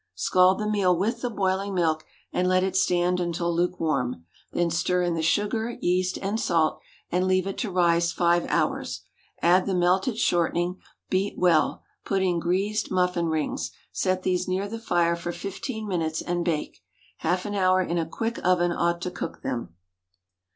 Scald the meal with the boiling milk, and let it stand until lukewarm. Then stir in the sugar, yeast, and salt, and leave it to rise five hours. Add the melted shortening, beat well, put in greased muffin rings, set these near the fire for fifteen minutes, and bake. Half an hour in a quick oven ought to cook them.